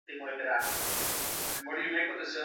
فارمسي پوهنځۍ په زوره نه تحمیلیږي.